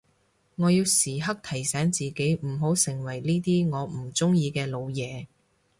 我要時刻提醒自己唔好成為呢啲我唔中意嘅老嘢